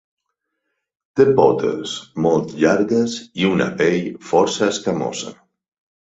Té potes molt llargues i una pell força escamosa.